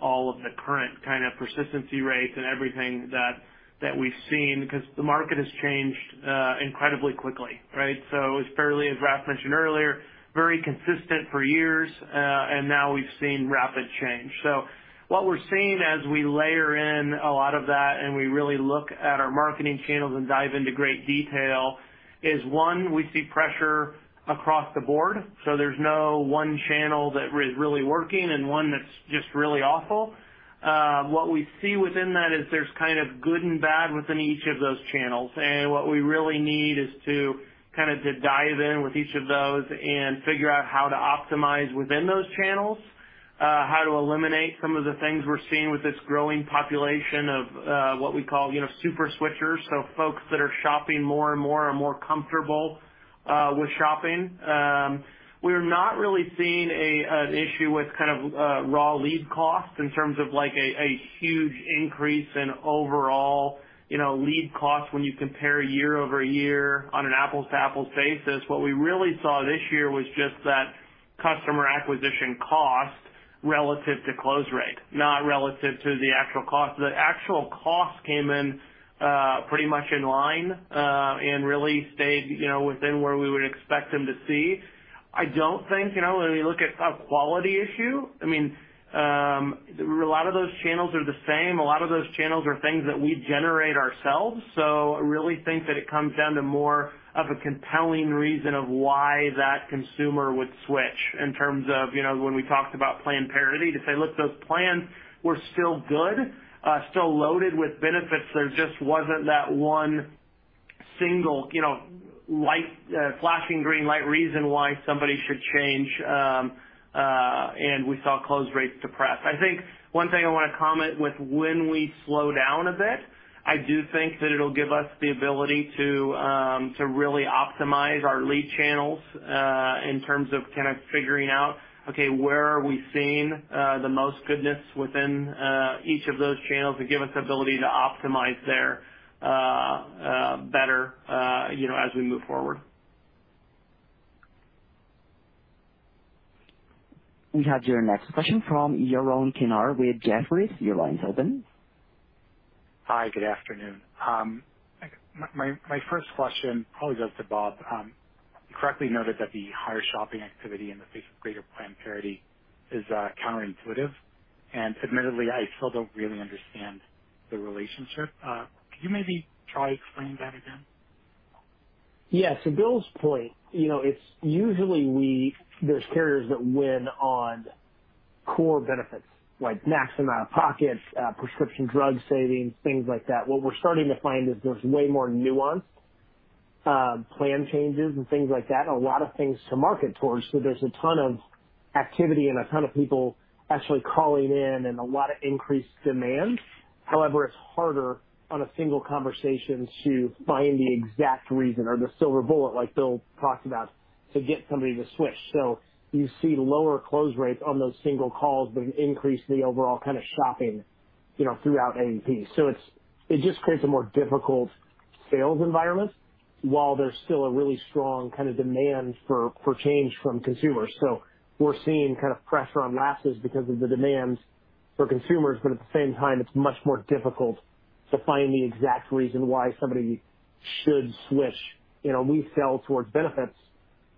all of the current kind of persistency rates and everything that we've seen, 'cause the market has changed incredibly quickly, right? It was fairly, as Raf mentioned earlier, very consistent for years and now we've seen rapid change. What we're seeing as we layer in a lot of that and we really look at our marketing channels and dive into great detail is, one, we see pressure across the board, so there's no one channel that is really working and one that's just really awful. What we see within that is there's kind of good and bad within each of those channels, and what we really need is to kind of dive in with each of those and figure out how to optimize within those channels, how to eliminate some of the things we're seeing with this growing population of, what we call, you know, super switchers. Folks that are shopping more and more are more comfortable with shopping. We're not really seeing an issue with kind of raw lead costs in terms of like a huge increase in overall, you know, lead costs when you compare year-over-year on an apples to apples basis. What we really saw this year was just that customer acquisition cost relative to close rate, not relative to the actual cost. The actual cost came in, pretty much in line, and really stayed, you know, within where we would expect them to see. I don't think, you know, when you look at a quality issue, I mean, a lot of those channels are the same. A lot of those channels are things that we generate ourselves. I really think that it comes down to more of a compelling reason of why that consumer would switch in terms of, you know, when we talked about plan parity, to say, look, those plans were still good, still loaded with benefits. There just wasn't that one single, you know, light, flashing green light reason why somebody should change, and we saw close rates depress. I think one thing I wanna comment with, when we slow down a bit, I do think that it'll give us the ability to really optimize our lead channels in terms of kind of figuring out, okay, where are we seeing the most goodness within each of those channels to give us ability to optimize them better, you know, as we move forward.
We have your next question from Yaron Kinar with Jefferies. Your line's open.
Hi, good afternoon. My first question probably goes to Bob. You correctly noted that the higher shopping activity in the face of greater plan parity is counterintuitive, and admittedly, I still don't really understand the relationship. Could you maybe try explaining that again?
Yeah. Bill's point, you know, it's usually there's carriers that win on core benefits like max out-of-pocket, prescription drug savings, things like that. What we're starting to find is there's way more nuanced plan changes and things like that, a lot of things to market towards. There's a ton of activity and a ton of people actually calling in and a lot of increased demand. However, it's harder on a single conversation to find the exact reason or the silver bullet like Bill talked about, to get somebody to switch. You see lower close rates on those single calls, but an increase in the overall kind of shopping, you know, throughout AEP. It just creates a more difficult sales environment while there's still a really strong kind of demand for change from consumers. We're seeing kind of pressure on lapses because of the demands for consumers, but at the same time, it's much more difficult to find the exact reason why somebody should switch. You know, we sell towards benefits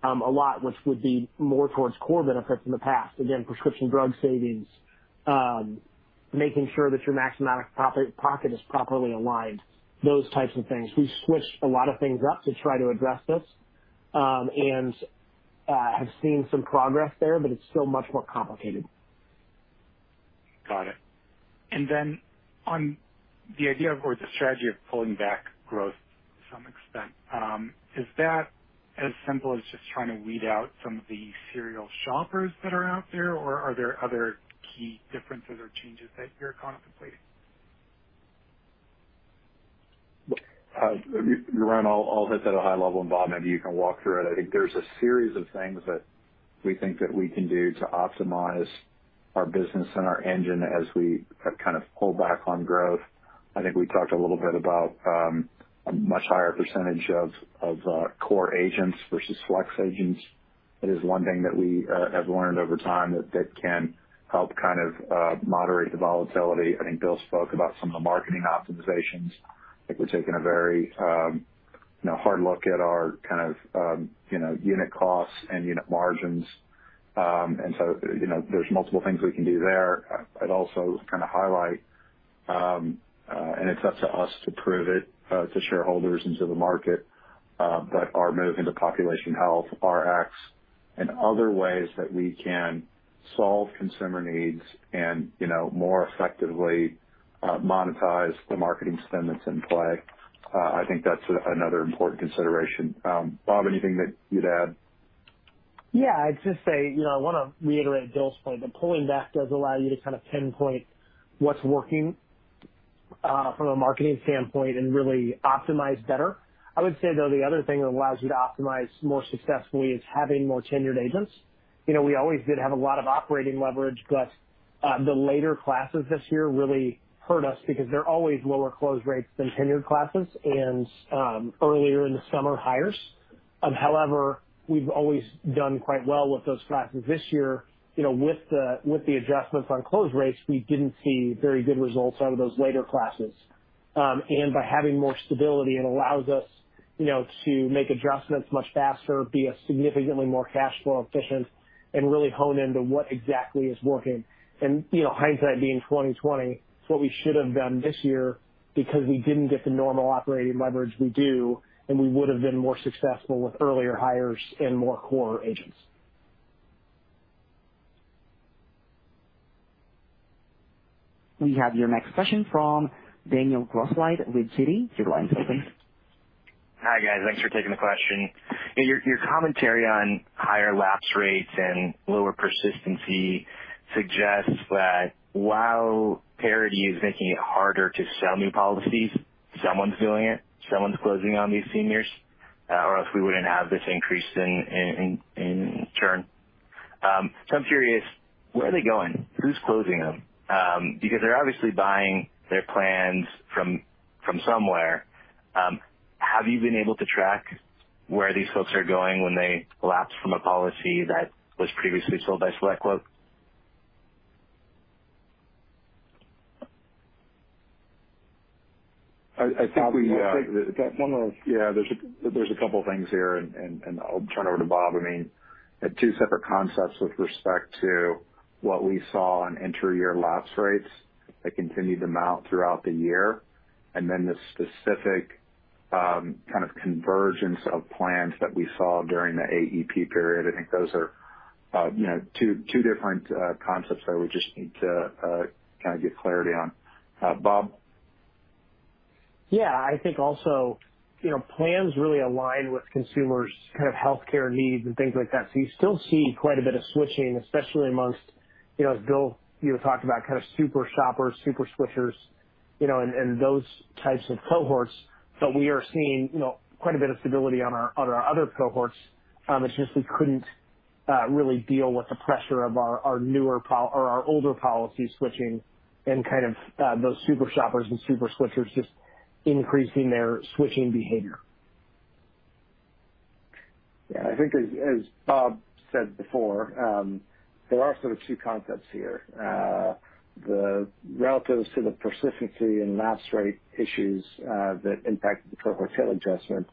a lot, which would be more towards core benefits in the past. Again, prescription drug savings, making sure that your maximum out-of-pocket is properly aligned, those types of things. We've switched a lot of things up to try to address this, and have seen some progress there, but it's still much more complicated.
Got it. On the idea or the strategy of pulling back growth to some extent, is that as simple as just trying to weed out some of the serial shoppers that are out there, or are there other key differences or changes that you're contemplating?
We run all this at a high level, and Bob, maybe you can walk through it. I think there's a series of things that we think that we can do to optimize our business and our engine as we kind of pull back on growth. I think we talked a little bit about a much higher percentage of core agents versus Flex agents. It is one thing that we have learned over time that can help kind of moderate the volatility. I think Bill spoke about some of the marketing optimizations. I think we're taking a very, you know, hard look at our kind of, you know, unit costs and unit margins. You know, there's multiple things we can do there. I'd also kind of highlight, and it's up to us to prove it, to shareholders and to the market, but our move into population health, Rx and other ways that we can solve consumer needs and, you know, more effectively, monetize the marketing spend that's in play. I think that's another important consideration. Bob, anything that you'd add?
Yeah. I'd just say, you know, I wanna reiterate Bill's point, that pulling back does allow you to kind of pinpoint what's working, from a marketing standpoint and really optimize better. I would say, though, the other thing that allows you to optimize more successfully is having more tenured agents. You know, we always did have a lot of operating leverage, but the later classes this year really hurt us because they're always lower close rates than tenured classes and earlier in the summer hires. However, we've always done quite well with those classes. This year, you know, with the adjustments on close rates, we didn't see very good results out of those later classes. By having more stability, it allows us, you know, to make adjustments much faster, be significantly more cash flow efficient and really hone into what exactly is working. You know, hindsight being 20-20, it's what we should have done this year because we didn't get the normal operating leverage we do, and we would've been more successful with earlier hires and more core agents.
We have your next question from Daniel Grosslight with Citi. Your line is open.
Hi, guys. Thanks for taking the question. Your commentary on higher lapse rates and lower persistency suggests that while parity is making it harder to sell new policies, someone's doing it, someone's closing on these seniors, or else we wouldn't have this increase in turn. I'm curious, where are they going? Who's closing them? Because they're obviously buying their plans from somewhere. Have you been able to track where these folks are going when they lapse from a policy that was previously sold by SelectQuote?
I think we.
Go ahead.
Yeah, there's a couple of things here, and I'll turn it over to Bob. I mean, two separate concepts with respect to what we saw on year-over-year lapse rates that continued to mount throughout the year, and then the specific kind of convergence of plans that we saw during the AEP period. I think those are, you know, two different concepts that we just need to kind of get clarity on. Bob?
Yeah. I think also, you know, plans really align with consumers' kind of healthcare needs and things like that. So you still see quite a bit of switching, especially amongst, you know, as Bill, you know, talked about kind of super shoppers, super switchers, you know, and those types of cohorts. But we are seeing, you know, quite a bit of stability on our other cohorts. It's just we couldn't really deal with the pressure of our newer or our older policy switching and kind of those super shoppers and super switchers just increasing their switching behavior.
Yeah. I think as Bob said before, there are sort of two concepts here. The relative to the persistency and lapse rate issues that impacted the cohort tail adjustment,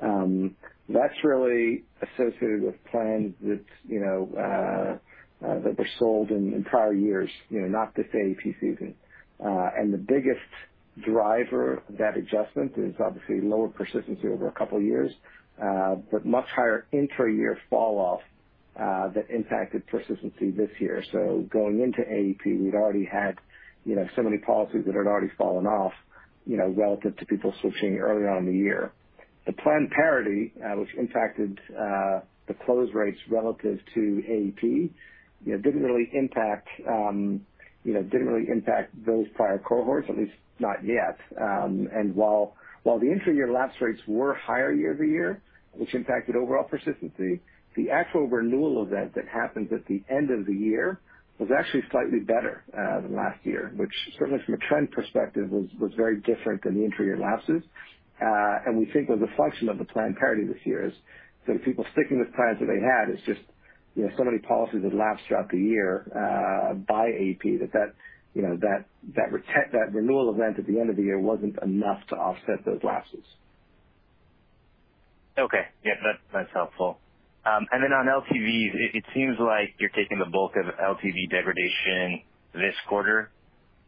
that's really associated with plans that you know that were sold in prior years, you know, not this AEP season. The biggest driver of that adjustment is obviously lower persistency over a couple of years, but much higher intra-year falloff that impacted persistency this year. Going into AEP, we'd already had, you know, so many policies that had already fallen off, you know, relative to people switching early on in the year. The plan parity, which impacted the close rates relative to AEP, you know, didn't really impact those prior cohorts, at least not yet. While the intra-year lapse rates were higher year-over-year, which impacted overall persistency, the actual renewal event that happens at the end of the year was actually slightly better than last year, which certainly from a trend perspective was very different than the intra-year lapses. We think that the function of the plan parity this year is some people sticking with plans that they had. It's just, you know, so many policies had lapsed throughout the year by AEP that, you know, that renewal event at the end of the year wasn't enough to offset those lapses.
Okay. Yeah, that's helpful. On LTVs, it seems like you're taking the bulk of LTV degradation this quarter.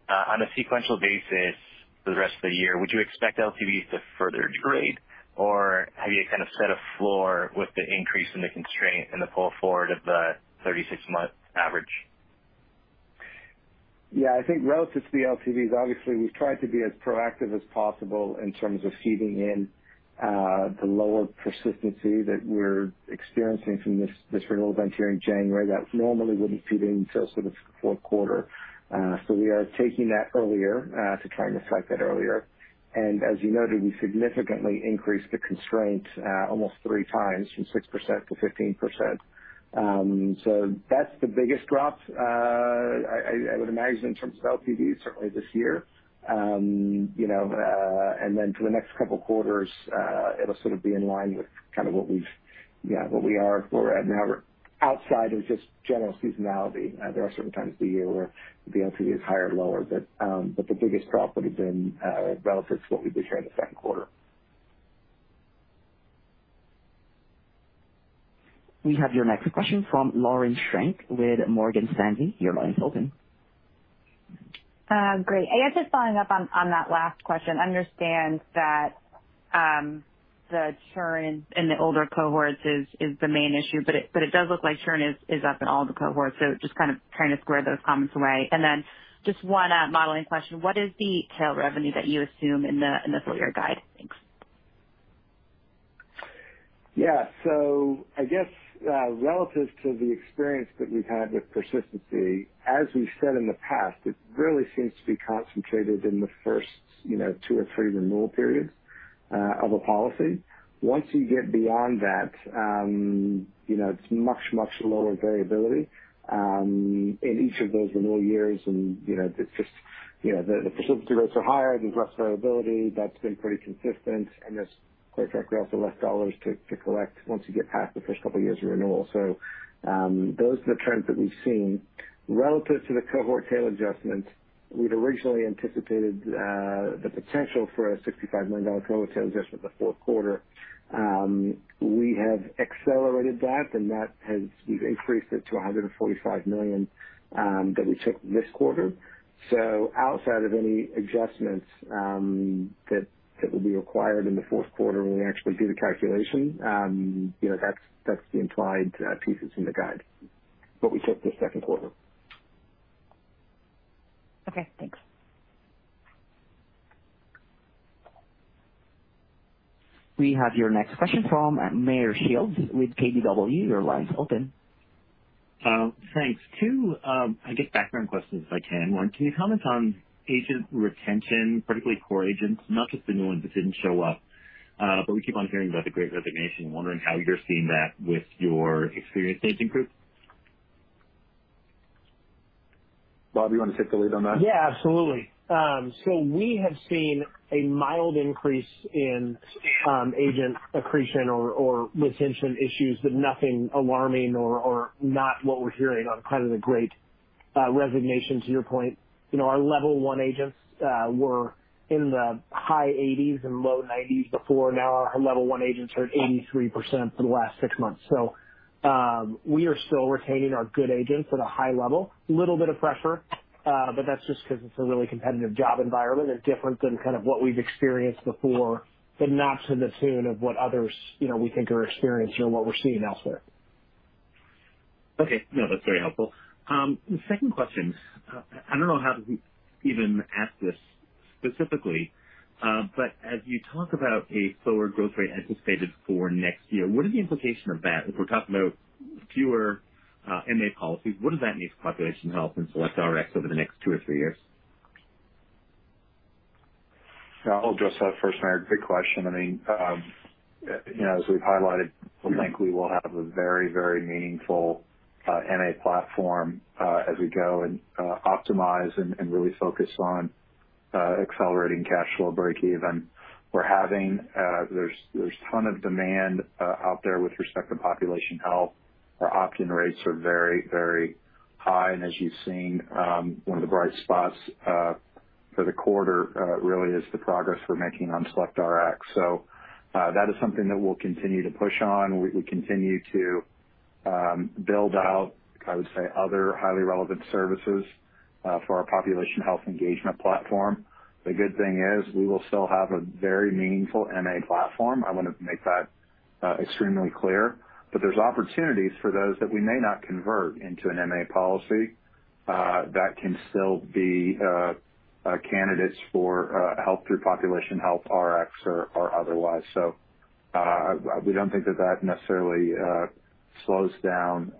On a sequential basis for the rest of the year, would you expect LTVs to further degrade, or have you kind of set a floor with the increase in the constraint and the pull forward of the 36-month average?
Yeah, I think relative to the LTVs, obviously we've tried to be as proactive as possible in terms of feeding in the lower persistency that we're experiencing from this renewal event here in January that normally wouldn't feed in till sort of fourth quarter. We are taking that earlier to try and reflect that earlier. As you noted, we significantly increased the constraint almost three times from 6%-15%. That's the biggest drop I would imagine in terms of LTVs certainly this year. You know, then for the next couple of quarters, it'll sort of be in line with kind of what we've you know what we are for. Now we're outside of just general seasonality. There are certain times of the year where the LTV is higher and lower, but the biggest drop would have been relative to what we've been sharing the second quarter.
We have your next question from Lauren Schenk with Morgan Stanley. Your line is open.
Great. I guess just following up on that last question. I understand that the churn in the older cohorts is the main issue, but it does look like churn is up in all the cohorts. Just kind of trying to square those comments away. Just one modeling question: What is the tail revenue that you assume in the full year guide? Thanks.
Yeah. I guess, relative to the experience that we've had with persistency, as we've said in the past, it really seems to be concentrated in the first, you know, two or three renewal periods of a policy. Once you get beyond that, you know, it's much, much lower variability in each of those renewal years. You know, it's just, you know, the facility rates are higher, there's less variability. That's been pretty consistent. There's quite frankly also less dollars to collect once you get past the first couple of years of renewal. Those are the trends that we've seen relative to the cohort tail adjustment. We'd originally anticipated the potential for a $65 million cohort tail adjustment in the fourth quarter. We have accelerated that, and that has increased it to $145 million that we took this quarter. Outside of any adjustments that will be required in the fourth quarter, when we actually do the calculation, you know, that's the implied pieces in the guide, what we took this second quarter.
Okay, thanks.
We have your next question from Meyer Shields with KBW. Your line's open.
Thanks. Two, I guess background questions, if I can. One, can you comment on agent retention, particularly core agents, not just the new ones that didn't show up, but we keep on hearing about the great resignation. I'm wondering how you're seeing that with your experienced agent group.
Bob, you want to take the lead on that?
Yeah, absolutely. We have seen a mild increase in agent attrition or retention issues, but nothing alarming or not what we're hearing on kind of the great resignation, to your point. You know, our level one agents were in the high 80s and low 90s before. Now our level one agents are at 83% for the last six months. We are still retaining our good agents at a high level. A little bit of pressure, but that's just 'cause it's a really competitive job environment and different than kind of what we've experienced before, but not to the tune of what others, you know, we think are experiencing or what we're seeing elsewhere.
Okay. No, that's very helpful. The second question, I don't know how to even ask this specifically. But as you talk about a slower growth rate anticipated for next year, what are the implications of that? If we're talking about fewer MA policies, what does that mean for population health and SelectRx over the next two or three years?
I'll address that first, Meyer. Good question. I mean, you know, as we've highlighted, we think we will have a very, very meaningful MA platform as we go and optimize and really focus on accelerating cash flow breakeven. We're having, there's a ton of demand out there with respect to population health. Our opt-in rates are very, very high. As you've seen, one of the bright spots for the quarter really is the progress we're making on SelectRx. That is something that we'll continue to push on. We continue to build out, I would say, other highly relevant services for our population health engagement platform. The good thing is we will still have a very meaningful MA platform. I want to make that extremely clear. There's opportunities for those that we may not convert into an MA policy, that can still be candidates for help through population health, Rx or otherwise. We don't think that necessarily slows down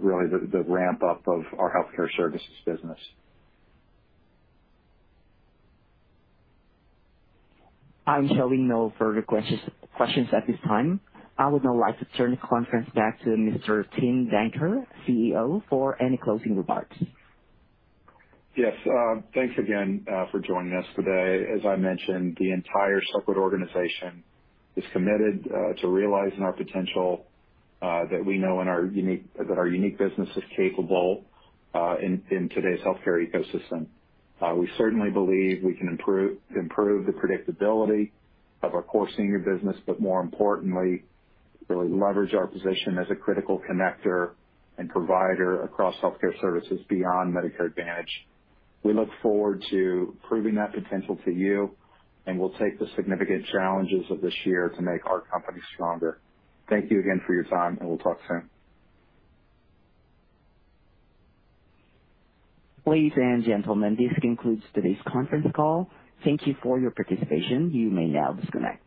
really the ramp up of our healthcare services business.
I'm showing no further questions at this time. I would now like to turn the conference back to Mr. Tim Danker, CEO, for any closing remarks.
Yes. Thanks again for joining us today. As I mentioned, the entire SelectQuote organization is committed to realizing our potential that our unique business is capable in today's healthcare ecosystem. We certainly believe we can improve the predictability of our core senior business, but more importantly, really leverage our position as a critical connector and provider across healthcare services beyond Medicare Advantage. We look forward to proving that potential to you, and we'll take the significant challenges of this year to make our company stronger. Thank you again for your time, and we'll talk soon.
Ladies and gentlemen, this concludes today's conference call. Thank you for your participation. You may now disconnect.